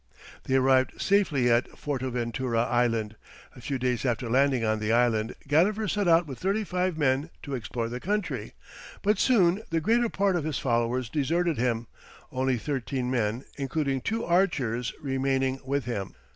They arrived safely at Fortaventura island; a few days after landing on the island, Gadifer set out with thirty five men to explore the country; but soon the greater part of his followers deserted him, only thirteen men, including two archers, remaining with him.